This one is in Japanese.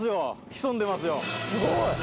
すごい！